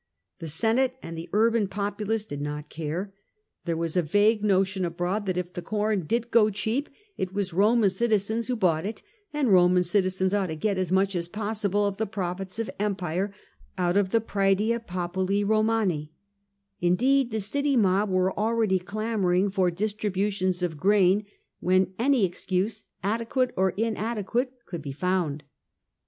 The Senate and the urban populace did not care ; there was a vague notion abroad that if the corn did go cheap, it was Roman citizens who bought it, and Roman citizens ought to get as much as possible of the profits of Empire out of the ^^^raedia po^uli Romani ^ Indeed, the city mob were already clamouring for distributions of corn when any excuse, adequate or inadequate, could be found.